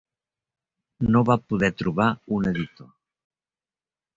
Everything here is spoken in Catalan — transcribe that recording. No va poder trobar un editor.